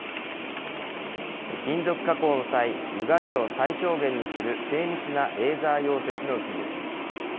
金属加工の際、ゆがみを最小限にする精密なレーザー溶接の技術。